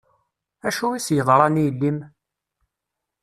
Acu i s-yeḍran i yelli-m?